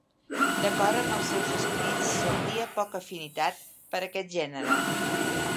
D'acord amb els seus escrits, sentia poca afinitat per aquest gènere.